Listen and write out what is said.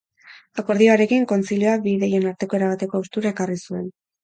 Akordioarekin, kontzilioak bi ideien arteko erabateko haustura ekarri zuen.